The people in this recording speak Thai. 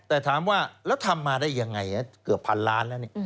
แต่ถามว่าแล้วทำมาได้ยังไงเกือบพันล้านแล้ว